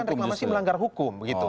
melaksanakan reklamasi melanggar hukum